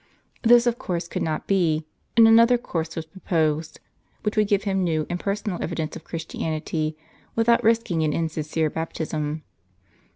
This of course could not be ; and another course was proposed, which would give him new and personal evidence of Christianity, without risking an insincere baptism.